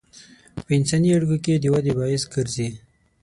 په انساني اړیکو کې د ودې باعث ګرځي.